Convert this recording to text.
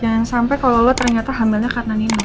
jangan sampai kalau lolo ternyata hamilnya karena nino